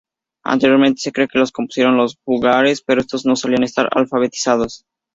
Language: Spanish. Anteriormente se cree que los compusieron los juglares, pero estos no solían estar alfabetizados.